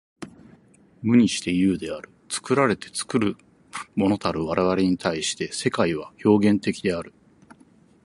無にして有である。作られて作るものたる我々に対して、世界は表現的である。